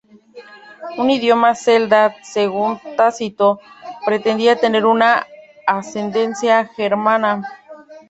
De idioma celta, según Tácito pretendían tener una ascendencia germana.